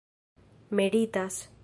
meritas